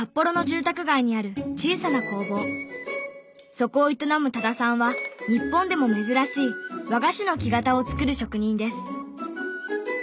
そこを営む多田さんは日本でも珍しい和菓子の木型を作る職人です。